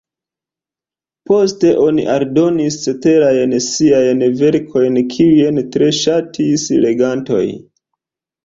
Poste oni eldonis ceterajn ŝiajn verkojn, kiujn tre ŝatis legantoj.